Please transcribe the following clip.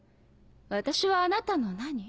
私はあなたの何？